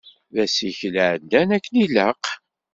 D asikel iɛeddan akken ilaq.